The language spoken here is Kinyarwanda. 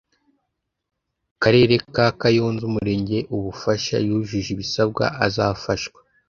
karere ka kayonza umurenge wa ubufasha yujuje ibasabwa azafashwa